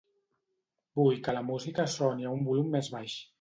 Vull que la música soni a un volum més baix.